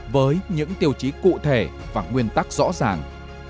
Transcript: với những tiêu chí cụ thể và nguyên tắc rõ ràng